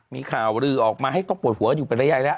มีข่าวลือออกมาให้ต้องปวดหัวอยู่เป็นระยะแล้ว